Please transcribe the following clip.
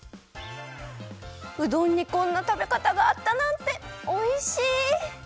うどんにこんなたべかたがあったなんておいしい！